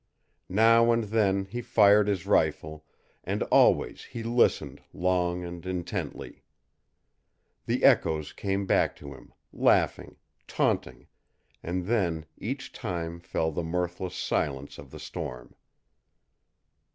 Now and then he fired his rifle, and always he listened long and intently. The echoes came back to him, laughing, taunting, and then each time fell the mirthless silence of the storm.